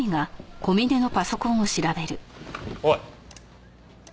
おい。